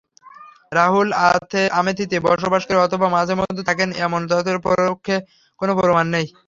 রাহুল আমেথিতে বসবাস করেন অথবা মাঝেমধ্যে থাকেন—এমন তথ্যের পক্ষে কোনো প্রমাণ নেই।